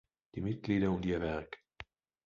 Die Mitglieder und ihr Werk.